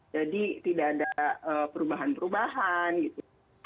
jadi tidak ada perubahan perubahan gitu